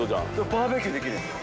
バーベキューできるよ。